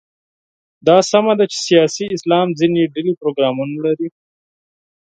دا سمه ده چې سیاسي اسلام ځینې ډلې پروګرامونه لري.